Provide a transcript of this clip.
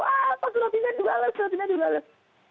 apa surat dinda juga alat surat dinda juga alat